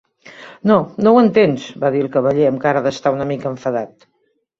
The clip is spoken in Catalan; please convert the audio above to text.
"No, no ho entens", va dir el Cavaller, amb cara d'estar una mica enfadat.